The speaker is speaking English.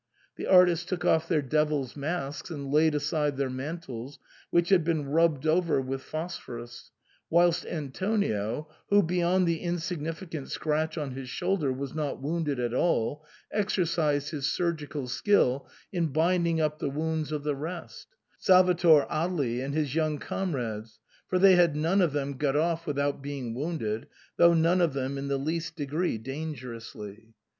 The artists took off their devils' masks and laid aside their mantles, which had been rubbed over with phos phorus, whilst Antonio, who, beyond the insignificant scratch on his shoulder, was not wounded at all, exer cised his surgical skill in binding up the wounds of the rest — Salvator, Agli, and his young comrades — for they had none of them got off without being wounded, though none of them in the least degree dangerously.